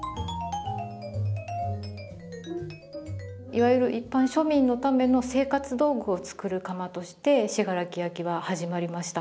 いわゆる一般庶民のための生活道具を作る窯として信楽焼は始まりました。